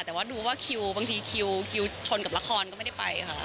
แต่ว่าดูว่าคิวบางทีคิวชนกับละครก็ไม่ได้ไปค่ะ